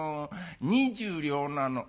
２０両なの」。